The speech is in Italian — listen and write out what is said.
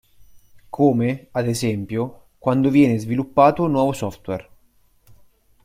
Come, ad esempio, quando viene sviluppato nuovo software.